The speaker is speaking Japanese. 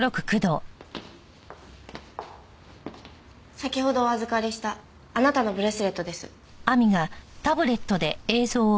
先ほどお預かりしたあなたのブレスレットです。